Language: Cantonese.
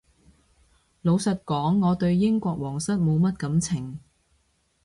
老實講我對英國皇室冇乜感情